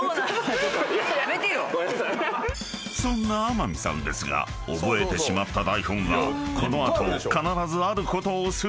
［そんな天海さんですが覚えてしまった台本はこの後必ずあることをするそう］